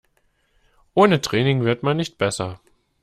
Ohne Training wird man nicht besser.